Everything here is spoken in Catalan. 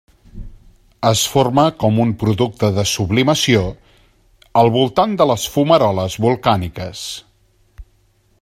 Es forma com un producte de sublimació al voltant de les fumaroles volcàniques.